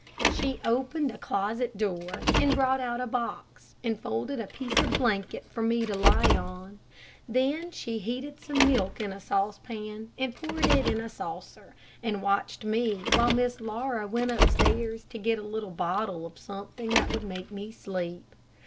She opened a closet door, and brought out a box, and folded a piece of blanket for me to lie on. Then she heated some milk in a saucepan, and poured it in a saucer, and watched me while Miss Laura went upstairs to get a little bottle of something that would make me sleep.